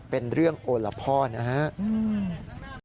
เป็นเรื่องโอละพ่อนะครับ